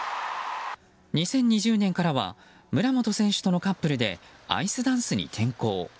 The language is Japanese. ２０２０年からは村元選手とのカップルでアイスダンスに転向。